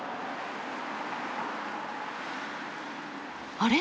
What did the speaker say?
あれ？